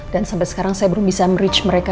dan sampai sekarang saya belum bisa mencapai mereka